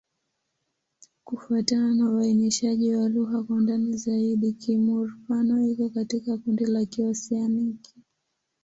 Kufuatana na uainishaji wa lugha kwa ndani zaidi, Kimur-Pano iko katika kundi la Kioseaniki.